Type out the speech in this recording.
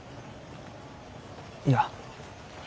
いや。